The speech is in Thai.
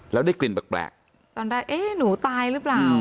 แล้วได้กลิ่นแปลกตอนแรกเอ๊ะหนูตายหรือเปล่า